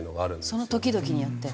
その時々によって。